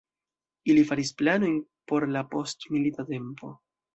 Ili faris planojn por la postmilita tempo.